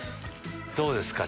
どうですか？